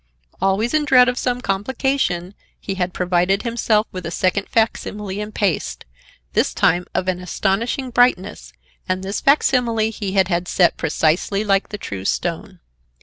Always in dread of some complication, he had provided himself with a second facsimile in paste, this time of an astonishing brightness, and this facsimile he had had set precisely like the true stone.